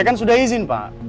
kan sudah izin pak